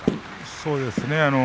そうですね。